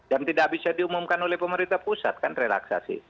dan tidak bisa diumumkan oleh pemerintah pusat kan relaksasi